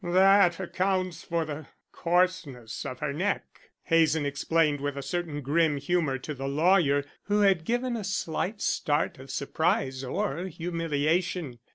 "That accounts for the coarseness of her neck," Hazen explained with a certain grim humor to the lawyer, who had given a slight start of surprise or humiliation.